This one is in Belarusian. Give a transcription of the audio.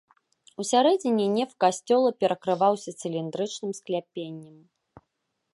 Усярэдзіне неф касцёла перакрываўся цыліндрычным скляпеннем.